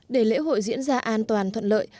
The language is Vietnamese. để lễ hội diễn ra an toàn thuận lợi